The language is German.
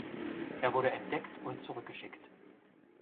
Er wurde entdeckt und zurückgeschickt.